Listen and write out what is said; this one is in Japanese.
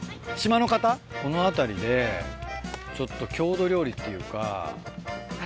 この辺りでちょっと郷土料理っていうか。